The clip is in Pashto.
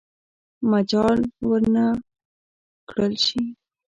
مجال ورنه کړل شي.